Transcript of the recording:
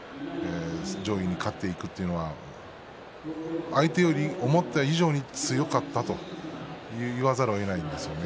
上位に勝っていくというのは相手より思った以上に強かったと言わざるをえないですね。